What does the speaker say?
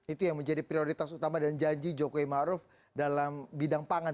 itu yang menjadi prioritas utama dan janji jokowi maruf dalam bidang pangan